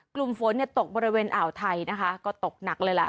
กลุ่มฝนเนี่ยตกบริเวณอ่าวไทยนะคะก็ตกหนักเลยล่ะ